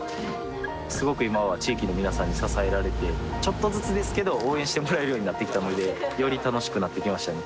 すごく今は地域の皆さんに支えられてちょっとずつですけど応援してもらえるようになってきたのでより楽しくなってきましたね